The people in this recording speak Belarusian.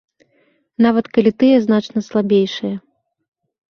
Нават калі тыя значна слабейшыя.